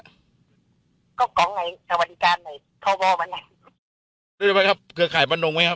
ก็ของไหนสวัสดีการณ์ไหนเครือข่ายบันโดงไหมครับ